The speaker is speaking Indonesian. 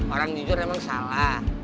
orang jujur memang salah